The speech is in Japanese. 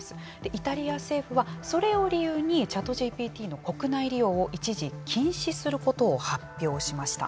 イタリア政府はそれを理由にＣｈａｔＧＰＴの国内利用を一時禁止することを発表しました。